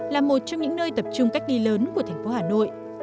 là một trong những nơi tập trung cách ly lớn của thành phố hà nội